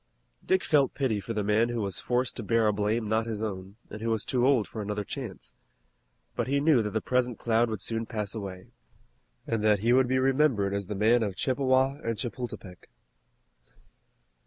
Dick felt pity for the man who was forced to bear a blame not his own, and who was too old for another chance. But he knew that the present cloud would soon pass away, and that he would be remembered as the man of Chippewa and Chapultepec.